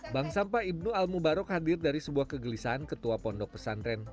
bank sampah ibn al mubarok hadir dari sebuah kegelisahan ketua pondok pesantren